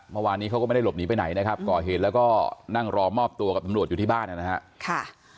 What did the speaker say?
เมื่อวานนี้เขาก็ไม่ได้หลบหนีไปไหนนะครับก่อเหตุแล้วก็นั่งรอมอบตัวกับตำรวจอยู่ที่บ้านนะครับ